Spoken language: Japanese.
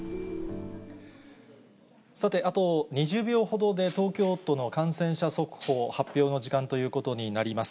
さて、あと２０秒ほどで東京都の感染者速報発表の時間ということになります。